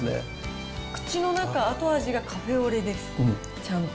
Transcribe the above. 口の中、後味がカフェオレです、ちゃんと。